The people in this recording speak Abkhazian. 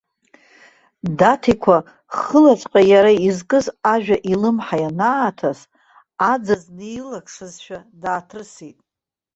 Даҭикәа, хылаҵәҟьа иара изкыз ажәа илымҳа ианааҭас, аӡаӡ неилақшазшәа дааҭрысит.